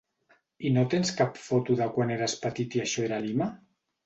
I no tens cap foto de quan eres petit i això era Lima?